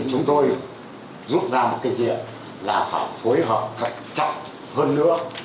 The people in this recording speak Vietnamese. chúng tôi rút ra một kinh nghiệm là phải phối hợp chậm hơn nữa